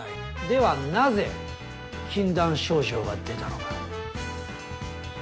ではなぜ禁断症状が出たのか？